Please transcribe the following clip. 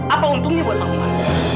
apa untungnya buat pak umar